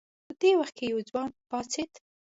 په دې وخت کې یو ځوان پاڅېد.